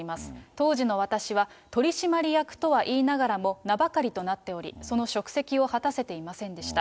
当時の私は取締役とは言いながらも名ばかりとなっており、その職責を果たせていませんでした。